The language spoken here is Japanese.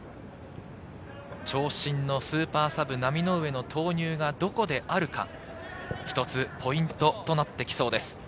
長身のスーパーサブ・浪上の投入がどこであるか、一つポイントとなって行きそうです。